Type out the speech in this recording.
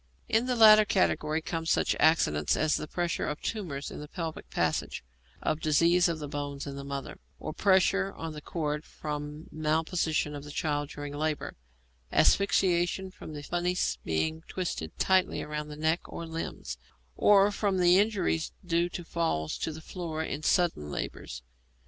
In the latter category come such accidents as the pressure of tumours in the pelvic passages, or disease of the bones in the mother, or pressure on the cord from malposition of the child during labour, asphyxiation from the funis being twisted tightly round the neck or limbs, or from injuries due to falls on the floor in sudden labours.